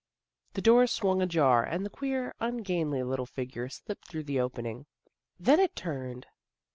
The door swung ajar and the queer, ungainly little figure slipped through the opening. Then it turned.